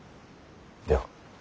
では。